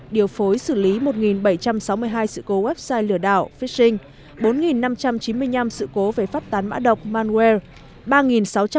điều phối xử lý một bảy trăm sáu mươi hai sự cố website lừa đảo fising bốn năm trăm chín mươi năm sự cố về phát tán mã độc manwe